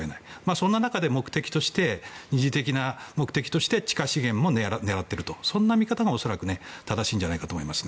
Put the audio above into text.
そんな中で二次的な目的として地下資源も狙っているという見方が恐らく正しいんじゃないかと思います。